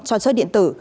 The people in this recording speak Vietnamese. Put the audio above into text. cho chơi điện tử